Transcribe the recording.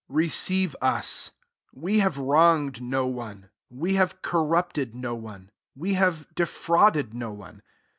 2 Receive us : we have wronged no one ; we have cor rupted no one, we have de frauded no one.